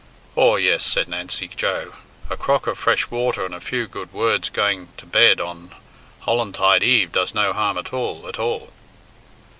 "Aw, yes," said Nancy Joe, "a crock of fresh water and a few good words going to bed on Hollantide Eve does no harm at all, at all."